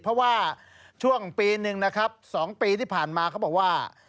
เพราะว่าช่วงปีหนึ่งนะครับ๒ปีที่ผ่านมาเขาบอกว่า